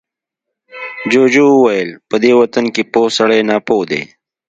جوجو وويل، په دې وطن کې پوه سړی ناپوه دی.